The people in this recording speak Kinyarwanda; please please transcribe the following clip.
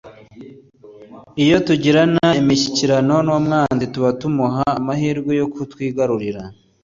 . Iyo tugirana imishyikirano n’umwanzi, tuba tumuha amahirwe yo kutwigarurira.